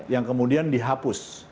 yang kemudian dihapus